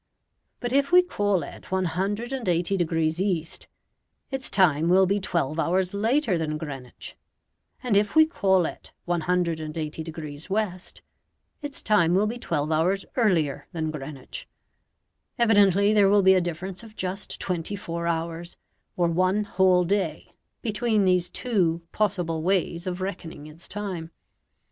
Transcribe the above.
But if we call it 180 degrees east, its time will be twelve hours later than Greenwich, and if we call it 180 degrees west, its time will be twelve hours earlier than Greenwich. Evidently there will be a difference of just twenty four hours, or one whole day, between these two possible ways of reckoning its time.